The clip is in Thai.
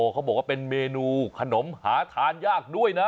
เขาบอกว่าเป็นเมนูขนมหาทานยากด้วยนะ